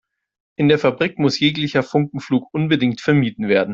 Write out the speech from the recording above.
In der Fabrik muss jeglicher Funkenflug unbedingt vermieden werden.